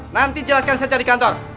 nanti jelaskan saya cari kantor